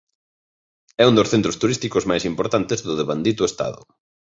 É un dos centros turísticos máis importantes do devandito estado.